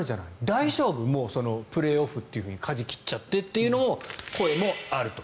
大丈夫、もうプレーオフかじ切っちゃってという声もあると。